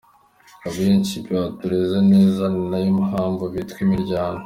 Abenshi batureze neza ni nayo mpamvu bitwa imiryango.